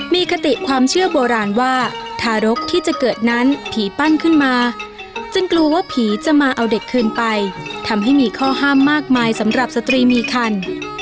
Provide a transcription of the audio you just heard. มีคติความเชื่อโบราณว่าทารกที่จะเกิดนั้นผีปั้นขึ้นมาจึงกลัวว่าผีจะมาเอาเด็กคืนไปทำให้มีข้อห้ามมากมายสำหรับสตรีมีคัน